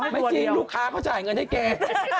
ไม่จริงลูกค้าเขาจ่ายเงินให้แก